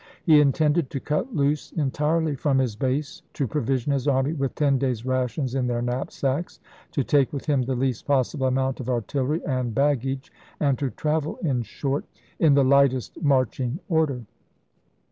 He intended to cut loose entirely from his base, to provision his army with ten days' rations in their knapsacks, to take with him the least possible amount of artillery and bag gage, and to travel, in short, in the lightest march ing order.